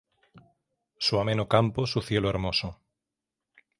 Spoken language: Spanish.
Su ameno campo, su cielo hermoso.